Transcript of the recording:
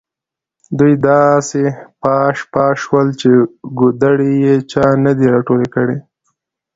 دوی داسې پاش پاش شول چې کودړي یې چا نه دي راټول کړي.